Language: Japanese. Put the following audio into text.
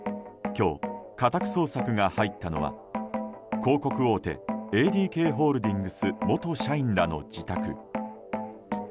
今日、家宅捜索が入ったのは広告大手ＡＤＫホールディングス元社員らの自宅。